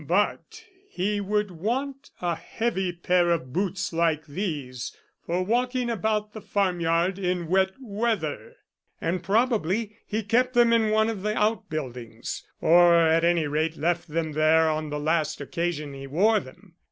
But he would want a heavy pair of boots like these for walking about the farm yard in wet weather, and probably he kept them in one of the outbuildings, or at any rate left them there on the last occasion he wore them.